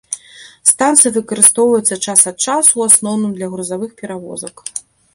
Станцыя выкарыстоўваецца час ад часу, у асноўным для грузавых перавозак.